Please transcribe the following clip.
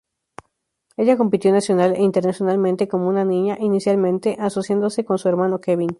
Ella compitió nacional e internacionalmente como una niña, inicialmente asociándose con su hermano Kevin.